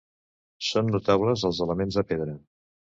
Són notables els elements de pedra.